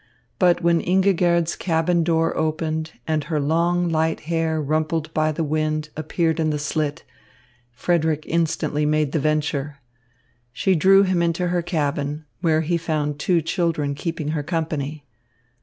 But when Ingigerd's cabin door opened and her long light hair rumpled by the wind appeared in the slit, Frederick instantly made the venture. She drew him into her cabin, where he found two children keeping her company.